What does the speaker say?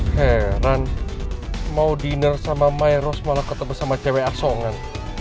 heran mau diner sama myros malah ketemu cewek asongan